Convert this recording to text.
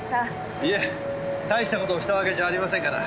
いえ大した事をしたわけじゃありませんから。